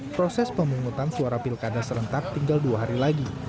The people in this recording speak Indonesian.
proses pemungutan suara pilkada serentak tinggal dua hari lagi